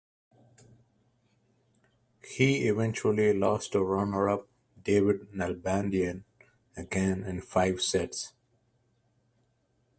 He eventually lost to runner-up David Nalbandian, again in five sets.